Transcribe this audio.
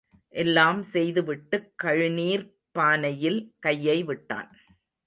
எல்லாம் செய்து விட்டுக் கழுநீர்ப் பானையில் கையை விட்டான்.